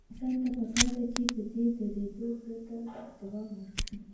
انسان ته پکار ده چې په درېدو پرته دوام ورکړي.